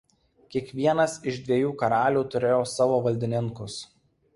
Kiekvienas iš dviejų karalių turėjo savo valdininkus.